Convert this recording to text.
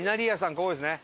ここですね。